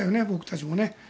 僕たちもね。